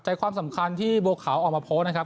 ความสำคัญที่บัวขาวออกมาโพสต์นะครับ